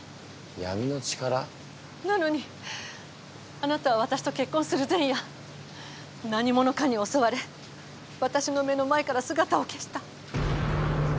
闇の力？なのにあなたは私と結婚する前夜何者かに襲われ私の目の前から姿を消した。